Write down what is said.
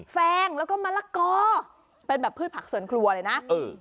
แฟงแล้วก็มะละกอเป็นแบบพืชผักสวนครัวเลยนะเออ